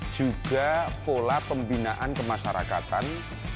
juga pola pembinaan kemasyarakatan